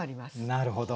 なるほど。